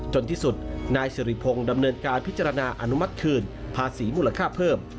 ที่สุดนายสิริพงศ์ดำเนินการพิจารณาอนุมัติคืนภาษีมูลค่าเพิ่ม